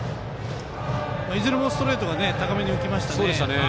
いずれもストレートが高めに浮きましたね。